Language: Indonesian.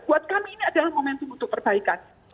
buat kami ini adalah momentum untuk perbaikan